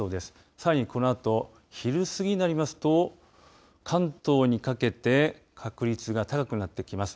さらにこのあと昼過ぎになりますと関東にかけて確率が高くなってきます。